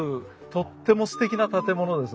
とってもすてきな建物です。